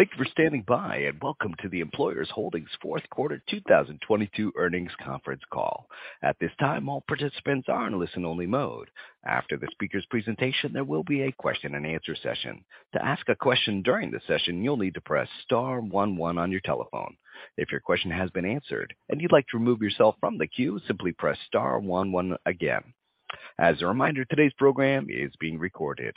Thank you for standing by. Welcome to the Employers Holdings fourth quarter 2022 earnings conference call. At this time, all participants are in listen-only mode. After the speaker's presentation, there will be a question-and-answer session. To ask a question during the session, you'll need to press star one one on your telephone. If your question has been answered and you'd like to remove yourself from the queue, simply press star one one again. As a reminder, today's program is being recorded.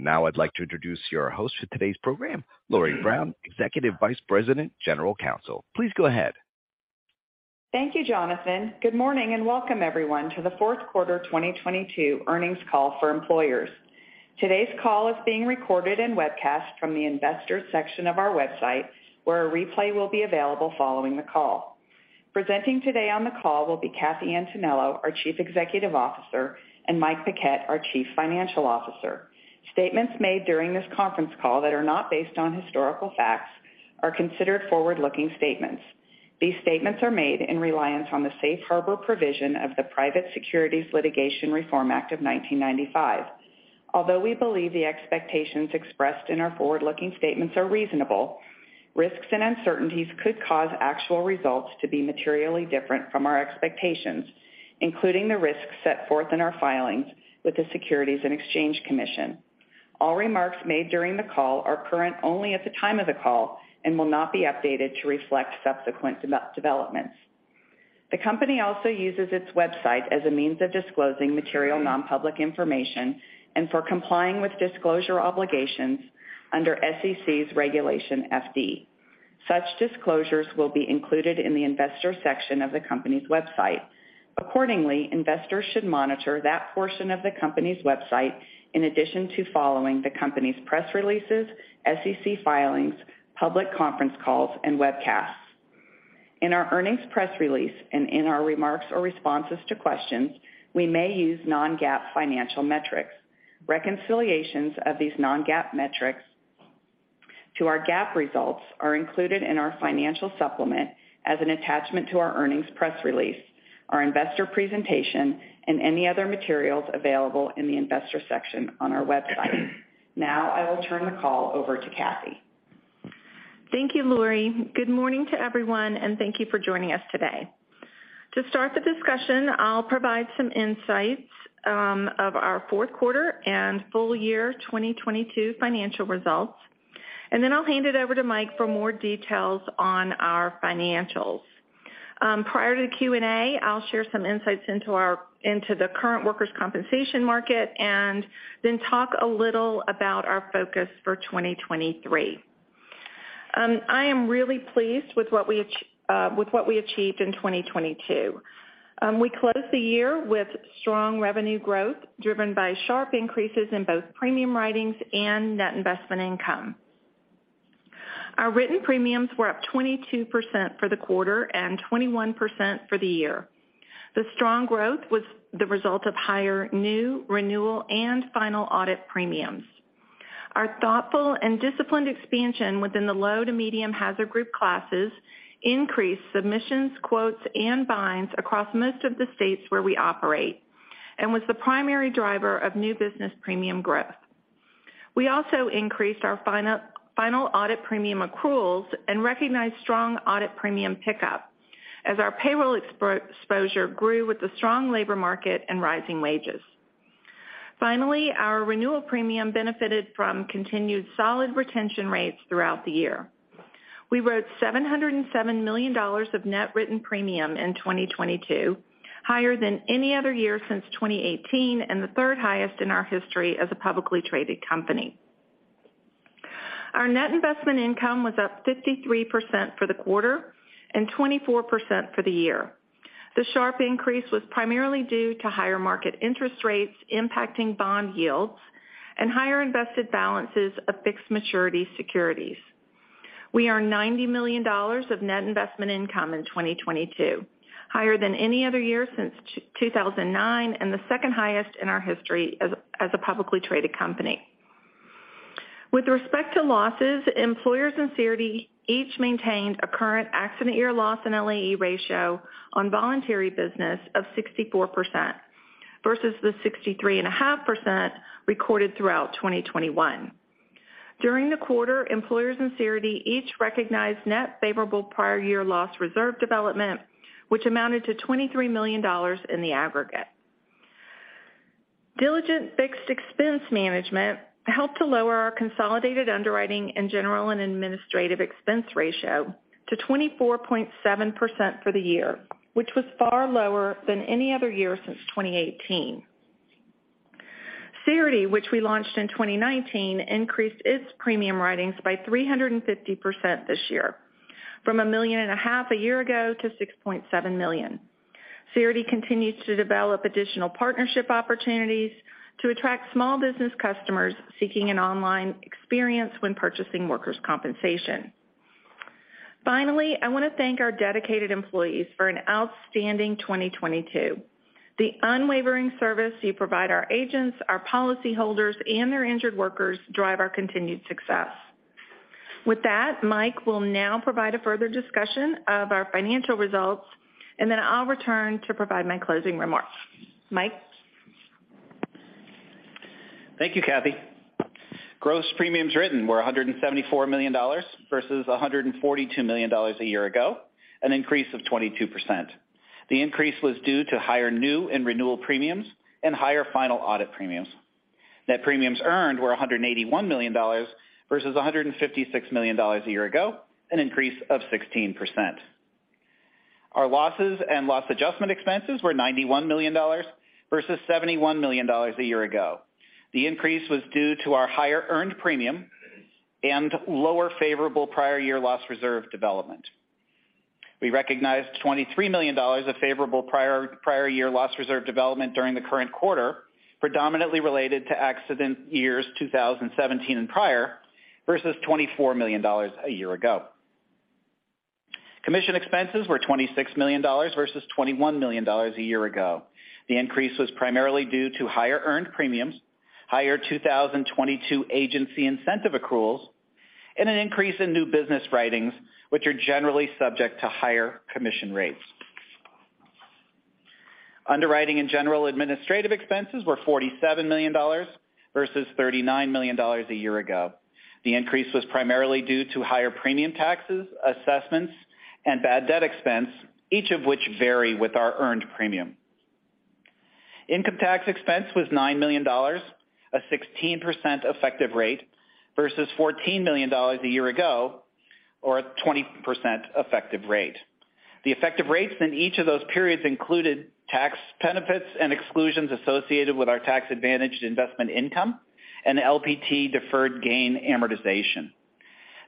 Now, I'd like to introduce your host for today's program, Lori Brown, Executive Vice President, General Counsel. Please go ahead. Thank you, Jonathan. Good morning, and welcome everyone to the fourth quarter 2022 earnings call for Employers. Today's call is being recorded and webcast from the Investors section of our website, where a replay will be available following the call. Presenting today on the call will be Kathy Antonello, our Chief Executive Officer, and Mike Paquette, our Chief Financial Officer. Statements made during this conference call that are not based on historical facts are considered forward-looking statements. These statements are made in reliance on the Safe Harbor provision of the Private Securities Litigation Reform Act of 1995. Although we believe the expectations expressed in our forward-looking statements are reasonable, risks and uncertainties could cause actual results to be materially different from our expectations, including the risks set forth in our filings with the Securities and Exchange Commission. All remarks made during the call are current only at the time of the call and will not be updated to reflect subsequent developments. The company also uses its website as a means of disclosing material non-public information and for complying with disclosure obligations under SEC's Regulation FD. Such disclosures will be included in the Investors section of the company's website. Accordingly, investors should monitor that portion of the company's website in addition to following the company's press releases, SEC filings, public conference calls, and webcasts. In our earnings press release and in our remarks or responses to questions, we may use non-GAAP financial metrics. Reconciliations of these non-GAAP metrics to our GAAP results are included in our financial supplement as an attachment to our earnings press release, our investor presentation, and any other materials available in the Investor section on our website. Now, I will turn the call over to Kathy. Thank you, Lori. Good morning to everyone, thank you for joining us today. To start the discussion, I'll provide some insights of our fourth quarter and full year 2022 financial results, and then I'll hand it over to Mike for more details on our financials. Prior to the Q&A, I'll share some insights into the current workers' compensation market and then talk a little about our focus for 2023. I am really pleased with what we achieved in 2022. We closed the year with strong revenue growth driven by sharp increases in both premium writings and net investment income. Our written premiums were up 22% for the quarter and 21% for the year. The strong growth was the result of higher new, renewal, and final audit premiums. Our thoughtful and disciplined expansion within the low to medium hazard group classes increased submissions, quotes, and binds across most of the states where we operate and was the primary driver of new business premium growth. We also increased our final audit premium accruals and recognized strong audit premium pickup as our payroll exposure grew with the strong labor market and rising wages. Finally, our renewal premium benefited from continued solid retention rates throughout the year. We wrote $707 million of net written premium in 2022, higher than any other year since 2018 and the third highest in our history as a publicly traded company. Our net investment income was up 53% for the quarter and 24% for the year. The sharp increase was primarily due to higher market interest rates impacting bond yields and higher invested balances of fixed maturity securities. We earned $90 million of net investment income in 2022, higher than any other year since 2009 and the second highest in our history as a publicly traded company. With respect to losses, Employers and Cerity each maintained a current accident year loss and LAE ratio on voluntary business of 64% versus the 63.5% recorded throughout 2021. During the quarter, Employers and Cerity each recognized net favorable prior year loss reserve development, which amounted to $23 million in the aggregate. Diligent fixed expense management helped to lower our consolidated underwriting and general and administrative expense ratio to 24.7% for the year, which was far lower than any other year since 2018. Cerity, which we launched in 2019, increased its premium writings by 350% this year from a million and a half a year ago to $6.7 million. Cerity continues to develop additional partnership opportunities to attract small business customers seeking an online experience when purchasing workers' compensation. I wanna thank our dedicated employees for an outstanding 2022. The unwavering service you provide our agents, our policyholders, and their injured workers drive our continued success. With that, Mike will now provide a further discussion of our financial results, and then I'll return to provide my closing remarks. Mike? Thank you, Kathy. Gross premiums written were $174 million versus $142 million a year ago, an increase of 22%. The increase was due to higher new and renewal premiums and higher final audit premiums. Net premiums earned were $181 million versus $156 million a year ago, an increase of 16%. Our losses and loss adjustment expenses were $91 million versus $71 million a year ago. The increase was due to our higher earned premium and lower favorable prior year loss reserve development. We recognized $23 million of favorable prior year loss reserve development during the current quarter, predominantly related to accident years 2017 and prior, versus $24 million a year ago. Commission expenses were $26 million versus $21 million a year ago. The increase was primarily due to higher earned premiums, higher 2022 agency incentive accruals, and an increase in new business writings, which are generally subject to higher commission rates. Underwriting and general administrative expenses were $47 million versus $39 million a year ago. The increase was primarily due to higher premium taxes, assessments, and bad debt expense, each of which vary with our earned premium. Income tax expense was $9 million, a 16% effective rate versus $14 million a year ago, or a 20% effective rate. The effective rates in each of those periods included tax benefits and exclusions associated with our tax advantaged investment income and LPT deferred gain amortization.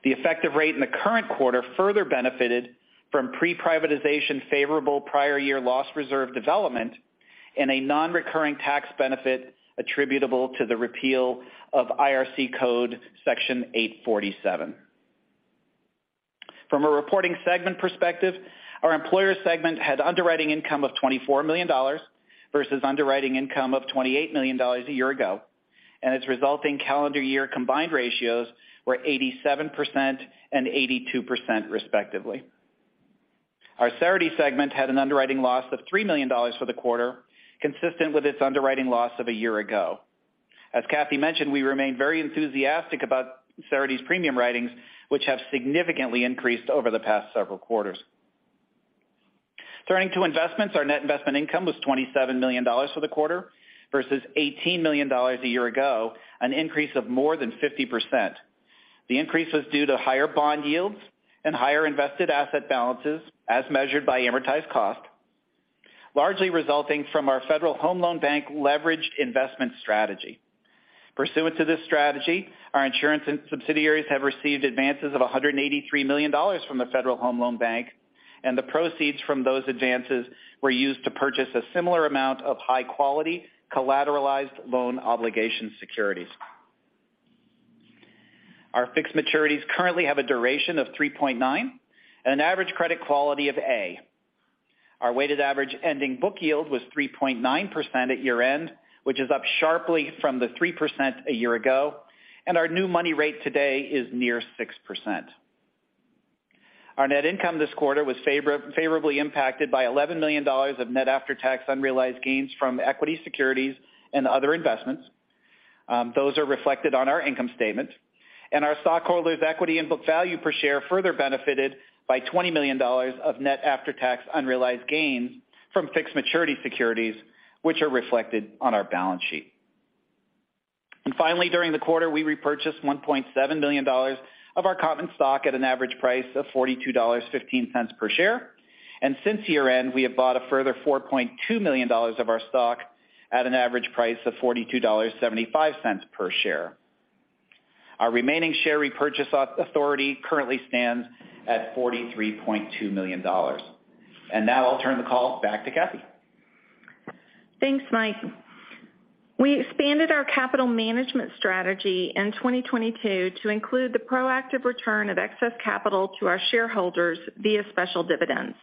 The effective rate in the current quarter further benefited from pre-privatization favorable prior year loss reserve development and a non-recurring tax benefit attributable to the repeal of IRC Code Section 847. From a reporting segment perspective, our Employers segment had underwriting income of $24 million versus underwriting income of $28 million a year ago. Its resulting calendar year combined ratios were 87% and 82% respectively. Our Cerity segment had an underwriting loss of $3 million for the quarter, consistent with its underwriting loss of a year ago. As Kathy mentioned, we remain very enthusiastic about Cerity's premium writings, which have significantly increased over the past several quarters. Turning to investments, our net investment income was $27 million for the quarter versus $18 million a year ago, an increase of more than 50%. The increase was due to higher bond yields and higher invested asset balances as measured by amortized cost, largely resulting from our Federal Home Loan Bank leveraged investment strategy. Pursuant to this strategy, our insurance subsidiaries have received advances of $183 million from the Federal Home Loan Bank, and the proceeds from those advances were used to purchase a similar amount of high-quality collateralized loan obligation securities. Our fixed maturities currently have a duration of 3.9 and an average credit quality of A. Our weighted average ending book yield was 3.9% at year-end, which is up sharply from the 3% a year ago, and our new money rate today is near 6%. Our net income this quarter was favorably impacted by $11 million of net after-tax unrealized gains from equity securities and other investments. Those are reflected on our income statement. Our stockholders' equity and book value per share further benefited by $20 million of net after-tax unrealized gains from fixed maturity securities, which are reflected on our balance sheet. Finally, during the quarter, we repurchased $1.7 million of our common stock at an average price of $42.15 per share. Since year-end, we have bought a further $4.2 million of our stock at an average price of $42.75 per share. Our remaining share repurchase authority currently stands at $43.2 million. Now, I'll turn the call back to Kathy. Thanks, Mike. We expanded our capital management strategy in 2022 to include the proactive return of excess capital to our shareholders via special dividends.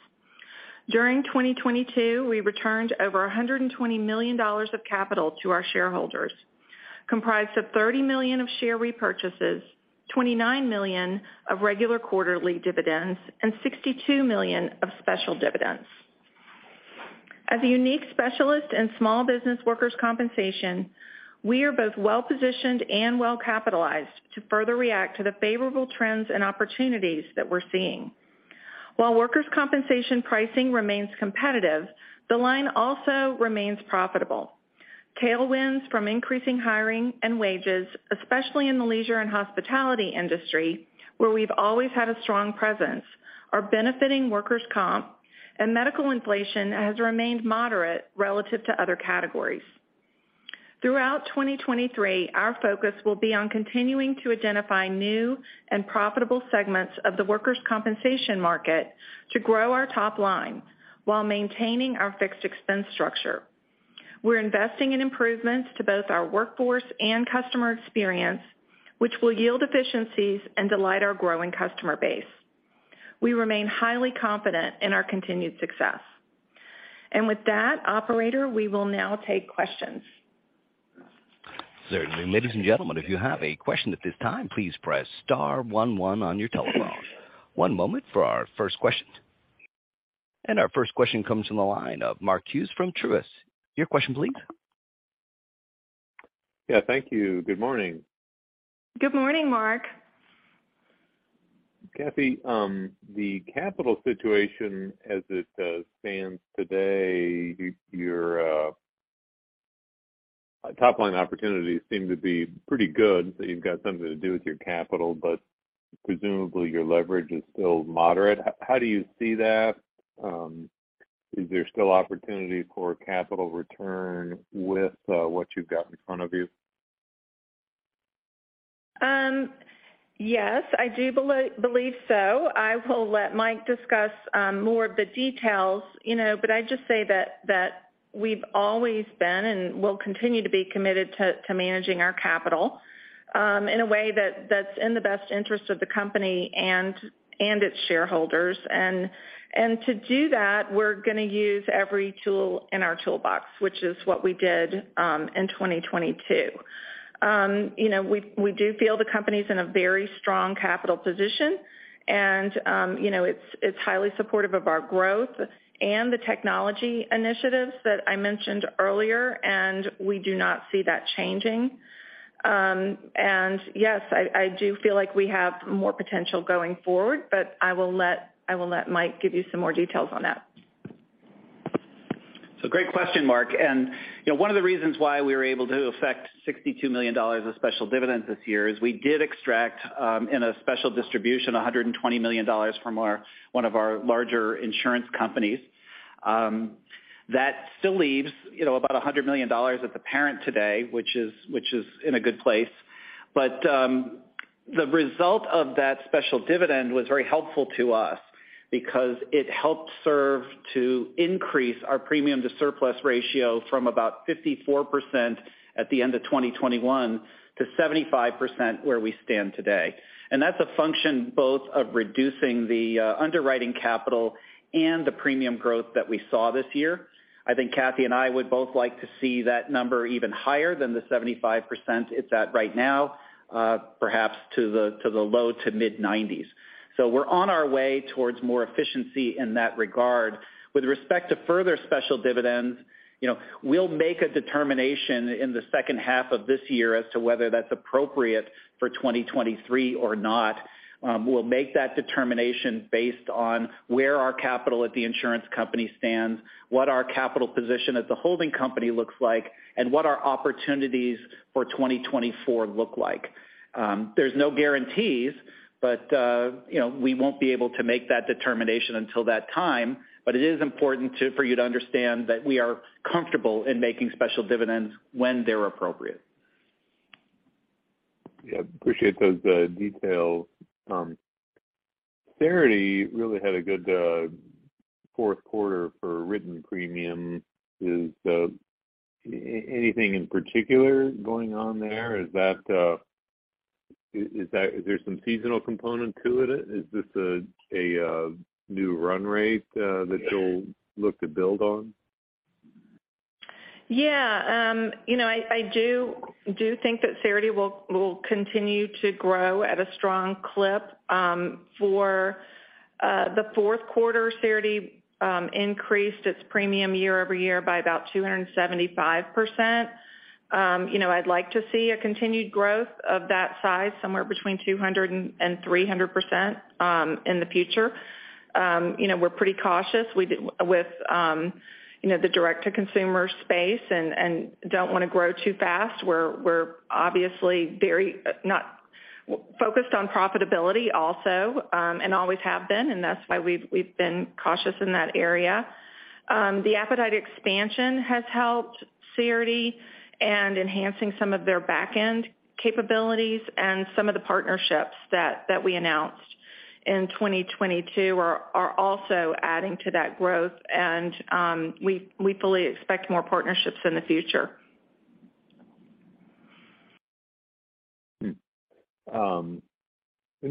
During 2022, we returned over $120 million of capital to our shareholders, comprised of $30 million of share repurchases, $29 million of regular quarterly dividends, and $62 million of special dividends. As a unique specialist in small business workers' compensation, we are both well-positioned and well-capitalized to further react to the favorable trends and opportunities that we're seeing. While workers' compensation pricing remains competitive, the line also remains profitable. Tailwinds from increasing hiring and wages, especially in the leisure and hospitality industry, where we've always had a strong presence, are benefiting workers' comp, and medical inflation has remained moderate relative to other categories. Throughout 2023, our focus will be on continuing to identify new and profitable segments of the workers' compensation market to grow our top line while maintaining our fixed expense structure. We're investing in improvements to both our workforce and customer experience, which will yield efficiencies and delight our growing customer base. We remain highly confident in our continued success. With that, operator, we will now take questions. Certainly. Ladies and gentlemen, if you have a question at this time, please press star one one on your telephone. One moment for our first question. Our first question comes from the line of Mark Hughes from Truist. Your question please. Yeah, thank you. Good morning. Good morning, Mark. Kathy, the capital situation as it stands today, your top line opportunities seem to be pretty good, so you've got something to do with your capital, but presumably your leverage is still moderate. How do you see that? Is there still opportunity for capital return with what you've got in front of you? Yes, I do believe so. I will let Mike discuss more of the details, you know, but I'd just say that we've always been and will continue to be committed to managing our capital in a way that's in the best interest of the company and its shareholders. To do that, we're gonna use every tool in our toolbox, which is what we did in 2022. You know, we do feel the company's in a very strong capital position. You know, it's highly supportive of our growth and the technology initiatives that I mentioned earlier, and we do not see that changing. Yes, I do feel like we have more potential going forward, but I will let Mike give you some more details on that. Great question, Mark. you know, one of the reasons why we were able to affect $62 million of special dividends this year is we did extract in a special distribution, $120 million from one of our larger insurance companies. That still leaves, you know, about $100 million at the parent today, which is in a good place. The result of that special dividend was very helpful to us because it helped serve to increase our premium to surplus ratio from about 54% at the end of 2021 to 75% where we stand today. That's a function both of reducing the underwriting capital and the premium growth that we saw this year. I think Kathy and I would both like to see that number even higher than the 75% it's at right now, perhaps to the low to mid-90s. We're on our way towards more efficiency in that regard. With respect to further special dividends, you know, we'll make a determination in the second half of this year as to whether that's appropriate for 2023 or not. We'll make that determination based on where our capital at the insurance company stands, what our capital position at the holding company looks like, and what our opportunities for 2024 look like. There's no guarantees, but, you know, we won't be able to make that determination until that time. It is important for you to understand that we are comfortable in making special dividends when they're appropriate. Yeah, appreciate those details. Cerity really had a good fourth quarter for written premium. Is anything in particular going on there? Is that, is there some seasonal component to it? Is this a new run rate that you'll look to build on? Yeah. you know, I do think that Cerity will continue to grow at a strong clip. For the fourth quarter, Cerity increased its premium year-over-year by about 275%. you know, I'd like to see a continued growth of that size, somewhere between 200%-300% in the future. you know, we're pretty cautious with, you know, the direct-to-consumer space and don't wanna grow too fast. We're obviously very focused on profitability also, and always have been, and that's why we've been cautious in that area. The appetite expansion has helped Cerity and enhancing some of their backend capabilities and some of the partnerships that we announced in 2022 are also adding to that growth. We fully expect more partnerships in the future.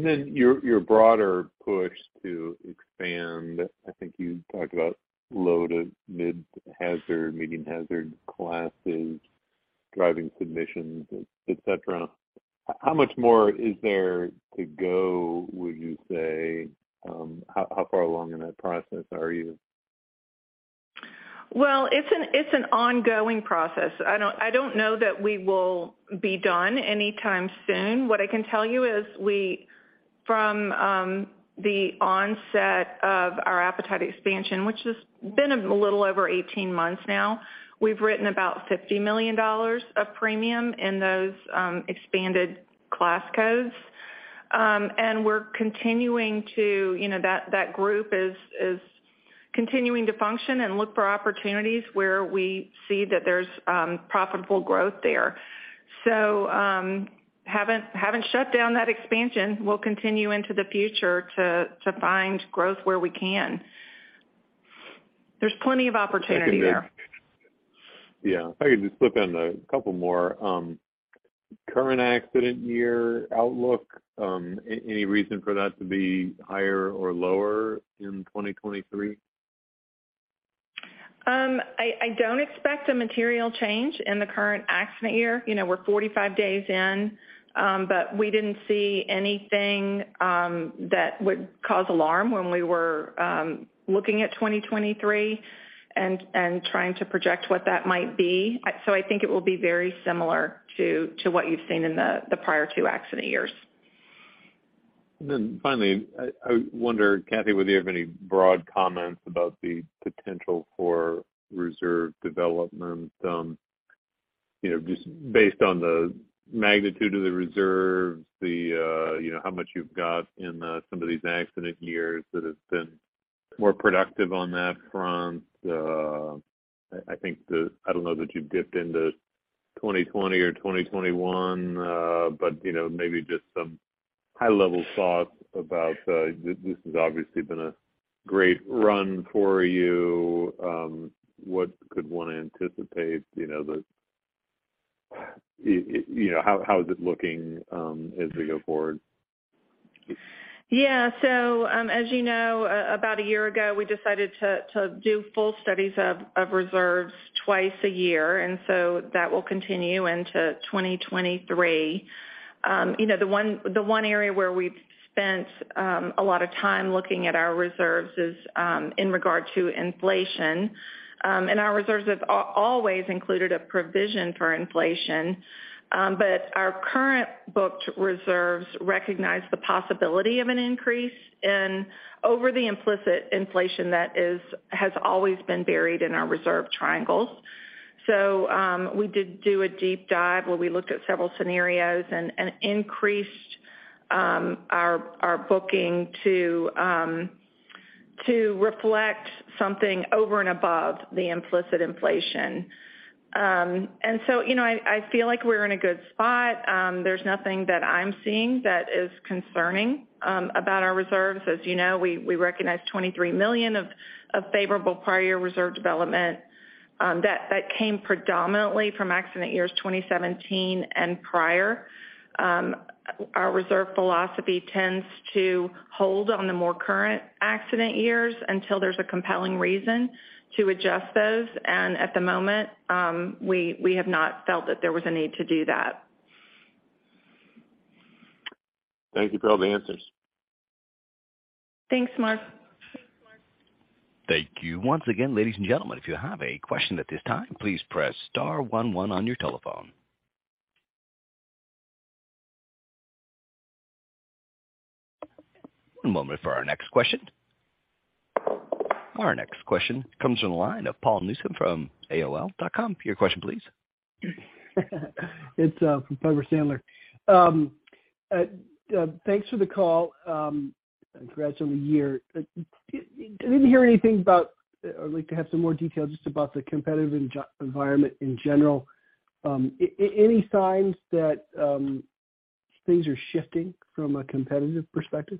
Your, your broader push to expand, I think you talked about low to mid-hazard, medium hazard classes, driving submissions, et cetera. How much more is there to go, would you say? How, how far along in that process are you? It's an ongoing process. I don't know that we will be done anytime soon. What I can tell you is we from the onset of our appetite expansion, which has been a little over 18 months now, we've written about $50 million of premium in those expanded class codes. We're continuing to, you know, that group is continuing to function and look for opportunities where we see that there's profitable growth there. Haven't shut down that expansion. We'll continue into the future to find growth where we can. There's plenty of opportunity there. Yeah. If I could just slip in a couple more. current accident year outlook, any reason for that to be higher or lower in 2023? I don't expect a material change in the current accident year. You know, we're 45 days in, but we didn't see anything that would cause alarm when we were looking at 2023 and trying to project what that might be. I think it will be very similar to what you've seen in the prior two accident years. Finally, I wonder, Kathy, whether you have any broad comments about the potential for reserve development, you know, just based on the magnitude of the reserves, the, you know, how much you've got in some of these accident years that have been more productive on that front. I think I don't know that you've dipped into 2020 or 2021, but, you know, maybe just some high level thoughts about this has obviously been a great run for you. What could one anticipate, you know, You know, how is it looking as we go forward? Yeah. As you know, about a year ago, we decided to do full studies of reserves twice a year, that will continue into 2023. You know, the one area where we've spent a lot of time looking at our reserves is in regard to inflation. Our reserves have always included a provision for inflation. Our current booked reserves recognize the possibility of an increase and over the implicit inflation that has always been buried in our reserve triangles. We did do a deep dive where we looked at several scenarios and increased our booking to reflect something over and above the implicit inflation. You know, I feel like we're in a good spot. There's nothing that I'm seeing that is concerning about our reserves. As you know, we recognize $23 million of favorable prior year reserve development that came predominantly from accident years 2017 and prior. Our reserve philosophy tends to hold on the more current accident years until there's a compelling reason to adjust those. At the moment, we have not felt that there was a need to do that. Thank you for all the answers. Thanks, Mark. Thank you once again. Ladies and gentlemen, if you have a question at this time, please press star one one on your telephone. One moment for our next question. Our next question comes from the line of Paul Newsome from Piper Sandler. Your question, please. It's from Piper Sandler. Thanks for the call and congrats on the year. Did we hear anything about or like to have some more details just about the competitive environment in general? Any signs that things are shifting from a competitive perspective?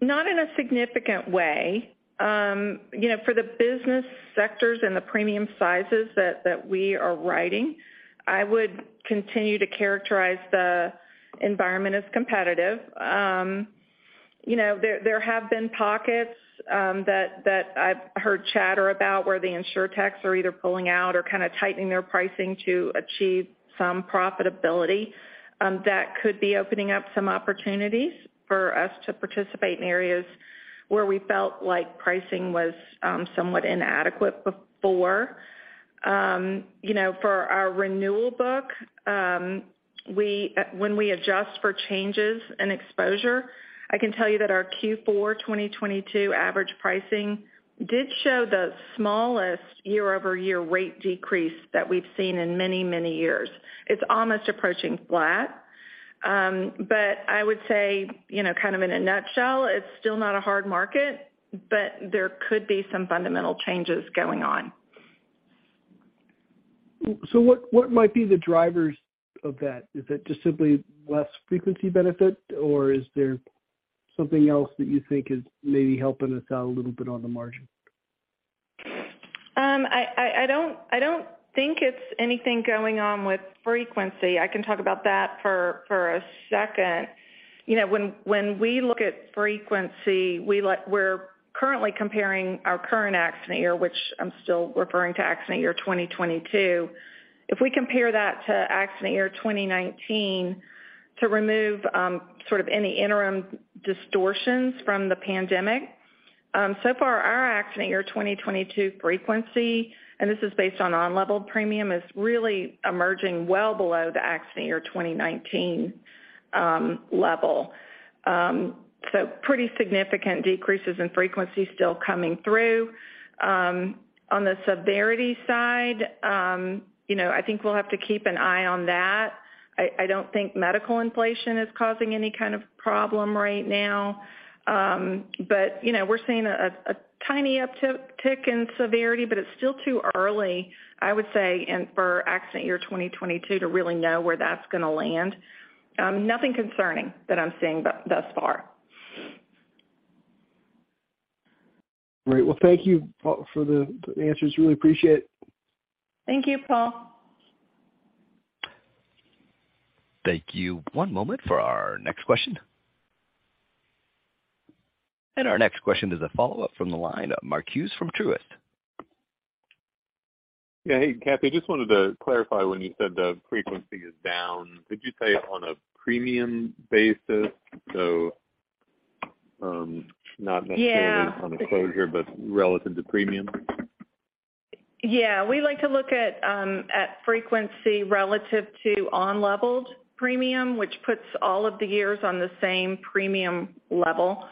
Not in a significant way. You know, for the business sectors and the premium sizes that we are writing, I would continue to characterize the environment as competitive. You know, there have been pockets that I've heard chatter about where the insurtechs are either pulling out or kind of tightening their pricing to achieve some profitability, that could be opening up some opportunities for us to participate in areas where we felt like pricing was somewhat inadequate before. You know, for our renewal book, we, when we adjust for changes in exposure, I can tell you that our Q4 2022 average pricing did show the smallest year-over-year rate decrease that we've seen in many, many years. It's almost approaching flat. I would say, you know, kind of in a nutshell, it's still not a hard market, but there could be some fundamental changes going on. What might be the drivers of that? Is it just simply less frequency benefit, or is there something else that you think is maybe helping us out a little bit on the margin? I don't think it's anything going on with frequency. I can talk about that for a second. You know, when we look at frequency, we're currently comparing our current accident year, which I'm still referring to accident year 2022. If we compare that to accident year 2019 to remove, sort of any interim distortions from the pandemic. So far our accident year 2022 frequency, and this is based on on-level premium, is really emerging well below the accident year 2019 level. Pretty significant decreases in frequency still coming through. On the severity side, you know, I think we'll have to keep an eye on that. I don't think medical inflation is causing any kind of problem right now. You know, we're seeing a tiny uptick in severity, but it's still too early, I would say, and for accident year 2022 to really know where that's gonna land. Nothing concerning that I'm seeing thus far. Great. Well, thank you for the answers. Really appreciate. Thank you, Paul. Thank you. One moment for our next question. Our next question is a follow-up from the line of Mark Hughes from Truist. Yeah. Hey, Kathy, just wanted to clarify. When you said the frequency is down, could you say it on a premium basis? Yeah. On exposure, but relative to premium. Yeah. We like to look at frequency relative to on-level premium, which puts all of the years on the same premium level,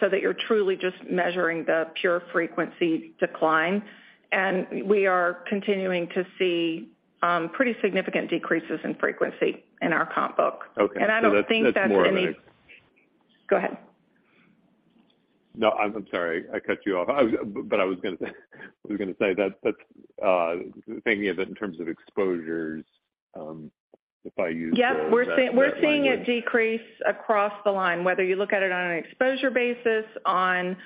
so that you're truly just measuring the pure frequency decline. We are continuing to see pretty significant decreases in frequency in our comp book. Okay. I don't think that's- That's more of a- Go ahead. No, I'm sorry. I cut you off. But I was gonna say that's thinking of it in terms of exposures, if I use those at that point. Yeah. We're seeing it decrease across the line, whether you look at it on an exposure basis, on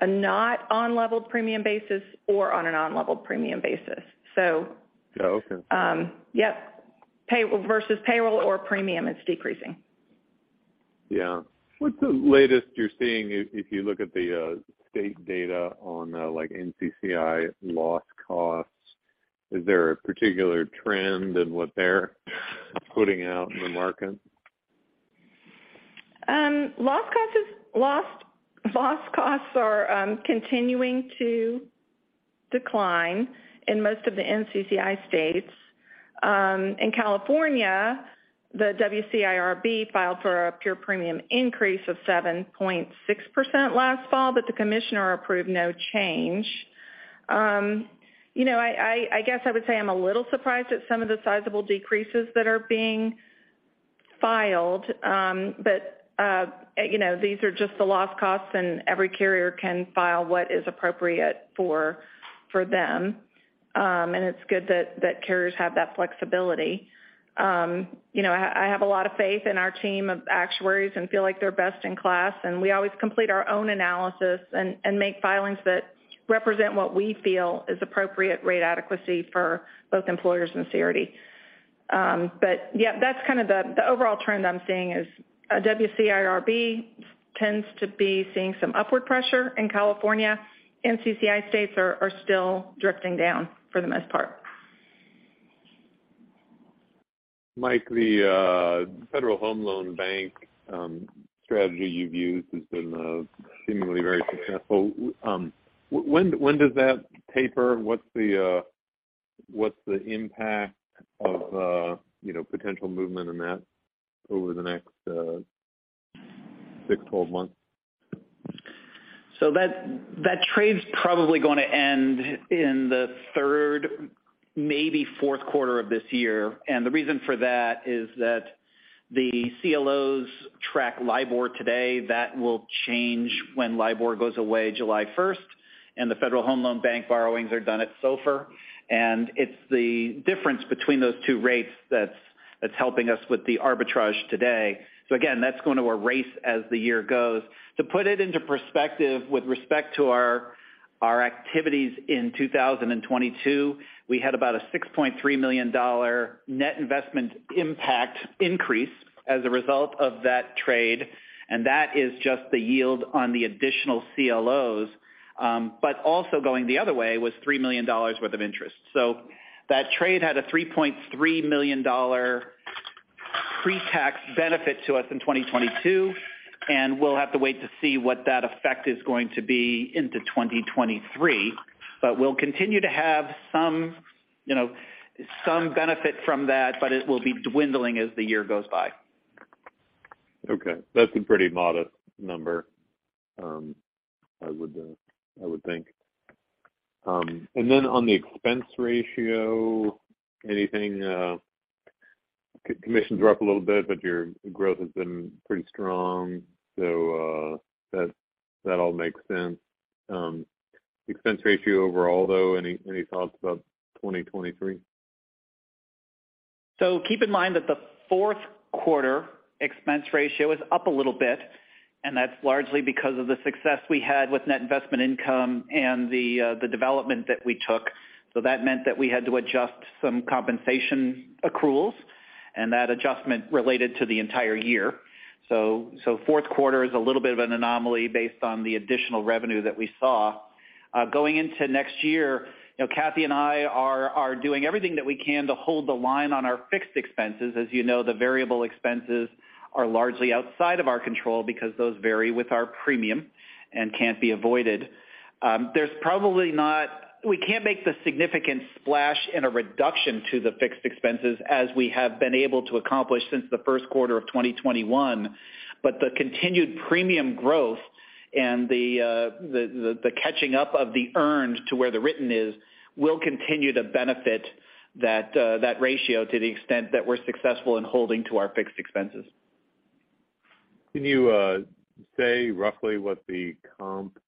a not on-level premium basis or on a non-leveled premium basis. Yeah. Okay. Yep, pay versus payroll or premium, it's decreasing. Yeah. What's the latest you're seeing if you look at the state data on, like NCCI loss costs? Is there a particular trend in what they're putting out in the market? Loss costs are continuing to decline in most of the NCCI states. In California, the WCIRB filed for a pure premium increase of 7.6% last fall, but the commissioner approved no change. You know, I guess I would say I'm a little surprised at some of the sizable decreases that are being filed. You know, these are just the loss costs and every carrier can file what is appropriate for them. It's good that carriers have that flexibility. You know, I have a lot of faith in our team of actuaries and feel like they're best in class, and we always complete our own analysis and make filings that represent what we feel is appropriate rate adequacy for both Employers and Cerity. Yeah, that's kind of the overall trend I'm seeing is WCIRB tends to be seeing some upward pressure in California. NCCI states are still drifting down for the most part. Mike, the Federal Home Loan Bank strategy you've used has been seemingly very successful. When does that taper? What's the impact of, you know, potential movement in that over the next six, 12 months? That trade's probably gonna end in the third, maybe fourth quarter of this year. The reason for that is that the CLOs track LIBOR today. That will change when LIBOR goes away July 1st, and the Federal Home Loan bank borrowings are done at SOFR. It's the difference between those two rates that's helping us with the arbitrage today. Again, that's going to erase as the year goes. To put it into perspective with respect to our activities in 2022, we had about a $6.3 million net investment impact increase as a result of that trade, and that is just the yield on the additional CLOs. Also going the other way was $3 million worth of interest. That trade had a $3.3 million pretax benefit to us in 2022, and we'll have to wait to see what that effect is going to be into 2023. We'll continue to have some, you know, some benefit from that, but it will be dwindling as the year goes by. Okay. That's a pretty modest number, I would think. On the expense ratio, anything? Commissions are up a little bit, but your growth has been pretty strong, so that all makes sense. Expense ratio overall, though, any thoughts about 2023? Keep in mind that the fourth quarter expense ratio is up a little bit, and that's largely because of the success we had with net investment income and the development that we took. That meant that we had to adjust some compensation accruals, and that adjustment related to the entire year. Fourth quarter is a little bit of an anomaly based on the additional revenue that we saw. Going into next year, you know, Kathy and I are doing everything that we can to hold the line on our fixed expenses. As you know, the variable expenses are largely outside of our control because those vary with our premium and can't be avoided. There's probably not- We can't make the significant splash in a reduction to the fixed expenses as we have been able to accomplish since the first quarter of 2021. The continued premium growth and the catching up of the earned to where the written is will continue to benefit that ratio to the extent that we're successful in holding to our fixed expenses. Can you say roughly what the comp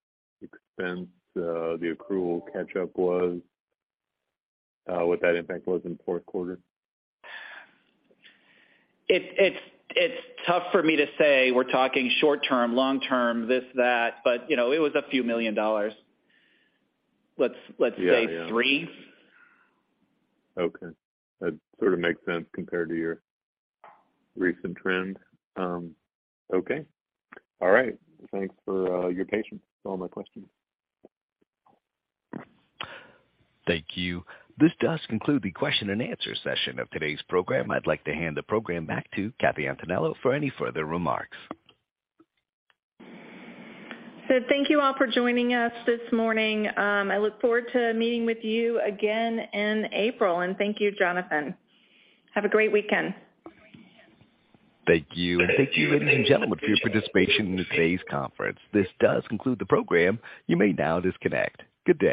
expense, the accrual catch-up was, what that impact was in the fourth quarter? It's tough for me to say. We're talking short term, long term, this, that, but, you know, it was a few million dollars. Let's say $3 million. Yeah. Yeah. Okay. That sort of makes sense compared to your recent trend. Okay. All right. Thanks for your patience with all my questions. Thank you. This does conclude the question and answer session of today's program. I'd like to hand the program back to Kathy Antonello for any further remarks. Thank you all for joining us this morning. I look forward to meeting with you again in April. Thank you, Jonathan. Have a great weekend. Thank you. Thank you, ladies and gentlemen, for your participation in today's conference. This does conclude the program. You may now disconnect. Good day.